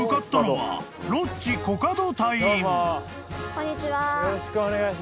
こんにちは。